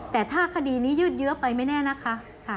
แต่ถ้าคดีนี้ยืดเยอะไปไม่แน่นะคะ